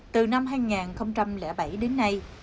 từ năm hai nghìn bảy đến nay